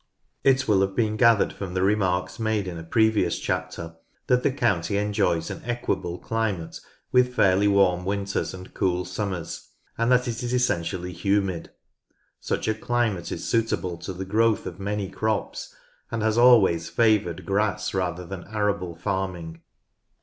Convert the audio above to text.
It will have been gathered from the remarks made in a previous chapter that the county enjoys an equable climate with fairly warm winters and cool summers, and that it is essentially humid. Such a climate is suitable to the growth of many crops, and has always favoured grass rather than arable farming.